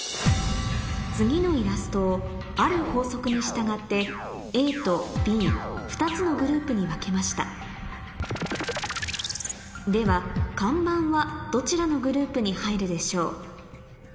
次のイラストをある法則に従ってＡとＢ２つのグループに分けましたでは看板はどちらのグループに入るでしょう？